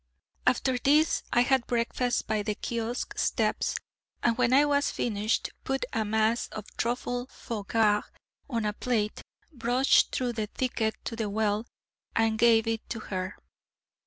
After this, I had breakfast by the kiosk steps, and when I was finished, put a mass of truffled foie gras on a plate, brushed through the thicket to the well, and gave it her.